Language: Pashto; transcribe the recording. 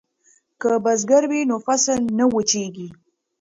که بزګر وي نو فصل نه وچېږي.